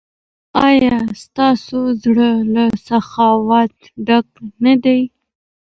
ایا ستاسو زړه له سخاوت ډک نه دی؟